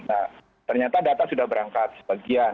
nah ternyata data sudah berangkat sebagian